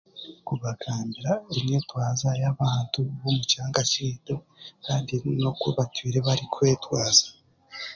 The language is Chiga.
Kubagambira enyentwaza y'abantu b'omukyanga kyaitu kandi oku batwire barikwetwaza.